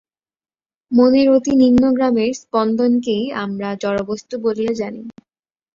মনের অতি নিম্নগ্রামের স্পন্দনকেই আমরা জড়বস্তু বলিয়া জানি।